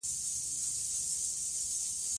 چار مغز د افغانستان د طبیعت برخه ده.